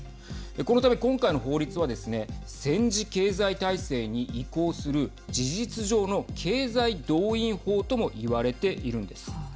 このため、今回の法律はですね戦時経済体制に移行する事実上の経済動員法とも言われているんです。